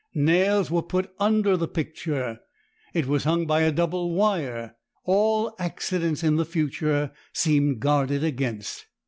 Nails were put under the picture; it was hung by a double wire. All accidents in the future seemed guarded against.